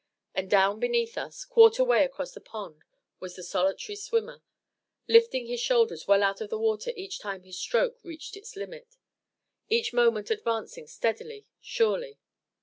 And down beneath us, quarter way across the pond was the solitary swimmer, lifting his shoulders well out of the water each time his stroke reached its limit each moment advancing steadily, surely.